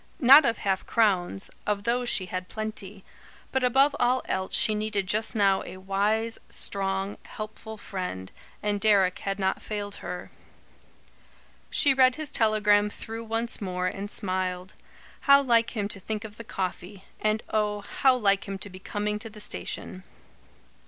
Not of half crowns; of those she had plenty. But above all else she needed just now a wise, strong, helpful friend, and Deryck had not failed her. She read his telegram through once more, and smiled. How like him to think of the coffee; and oh, how like him to be coming to the station.